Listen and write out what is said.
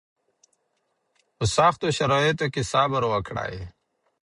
په سختو شرایطو کې صبر وکړئ